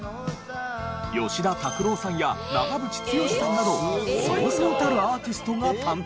吉田拓郎さんや長渕剛さんなどそうそうたるアーティストが担当。